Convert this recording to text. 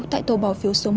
tại tàu bỏ phiếu số một